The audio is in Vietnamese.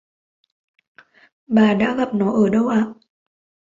bà đã gặp nó ở đâu ạ